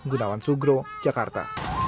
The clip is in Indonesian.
gunawan sugro jakarta